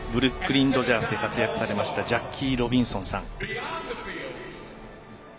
ブルックリンドジャースで活躍されましたジャッキー・ロビンソンさん。